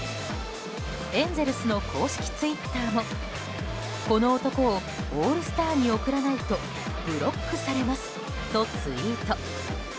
エンゼルスの公式ツイッターもこの男をオールスターに送らないとブロックされますとツイート。